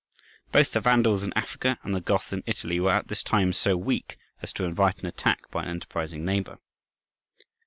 Both the Vandals in Africa and the Goths in Italy were at this time so weak as to invite an attack by an enterprising neighbour.